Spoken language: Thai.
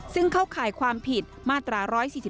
ซึ่งเข้าข่ายความผิดมาตรา๑๔๔